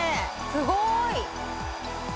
すごい！